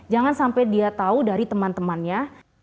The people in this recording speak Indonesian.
jangan sampai dia tahu dari teman temannya